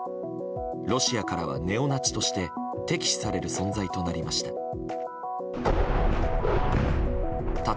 ロシアからはネオナチとして敵視される存在となりました。